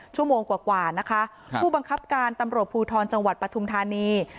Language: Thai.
ชั่วโมงกว่านะคะผู้บังคับการตำรวจภูทรจังหวัดปฐุมธานี